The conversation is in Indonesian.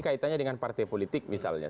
kaitannya dengan partai politik misalnya